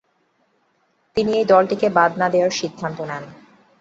তিনি এই দলটিকে বাদ না দেয়ার সিদ্ধান্ত নেন।